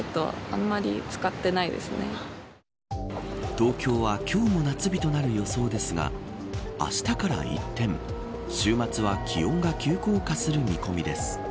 東京は今日も夏日となる予想ですがあしたから一転週末は気温が急降下する見込みです。